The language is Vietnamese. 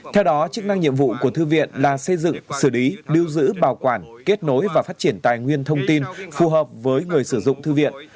theo đó chức năng nhiệm vụ của thư viện là xây dựng xử lý lưu giữ bảo quản kết nối và phát triển tài nguyên thông tin phù hợp với người sử dụng thư viện